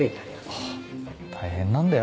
大変なんだよ。